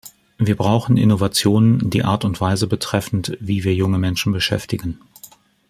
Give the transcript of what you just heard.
Wir brauchen Innovationen die Art und Weise betreffend, wie wir junge Menschen beschäftigen.